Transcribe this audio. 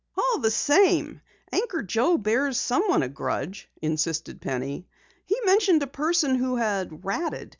"All the same, Anchor Joe bears someone a grudge," insisted Penny. "He mentioned a person who had 'ratted.'